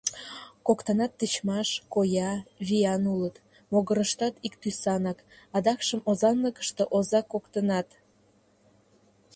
Коктынат тичмаш, коя, виян улыт, могырыштат ик тӱсанак, адакшым озанлыкыште оза коктынат.